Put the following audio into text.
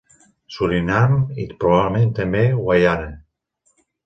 Surinam i, probablement també, Guaiana.